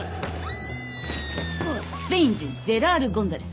スペイン人ジェラール・ゴンザレス。